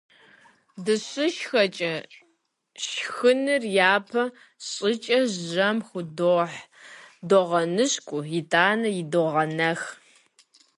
ДыщышхэкӀэ, шхыныр япэ щӀыкӀэ жьэм дохь, догъэныщкӀу, итӀанэ идогъэнэх.